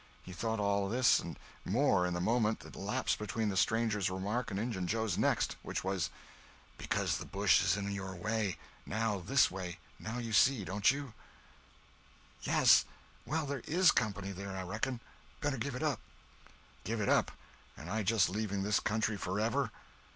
He thought all this and more in the moment that elapsed between the stranger's remark and Injun Joe's next—which was— "Because the bush is in your way. Now—this way—now you see, don't you?" "Yes. Well, there is company there, I reckon. Better give it up." "Give it up, and I just leaving this country forever!